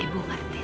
ibu bangga padamu